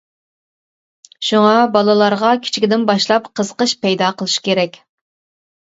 شۇڭا بالىلارغا كىچىكىدىن باشلاپ قىزىقىش پەيدا قىلىش كېرەك!